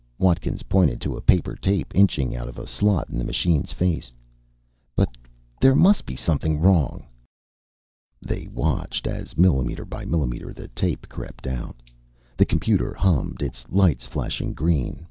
Watkins pointed to a paper tape inching out of a slot in the machine's face. "But there must be something wrong!" They watched as, millimeter by millimeter, the tape crept out. The computer hummed, its lights flashing green.